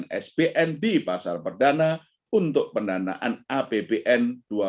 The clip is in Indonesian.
sbn di pasal perdana untuk pendanaan apbn dua ribu dua puluh